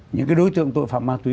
những cái đối tượng tội phạm ma túy